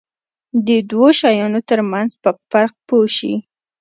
د دوو شیانو ترمنځ په فرق پوه شي.